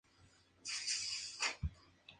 Actualmente el cobre es todavía explotado allí.